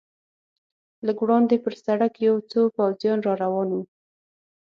لږ وړاندې پر سړک یو څو پوځیان را روان و.